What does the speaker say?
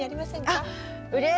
あっうれしい！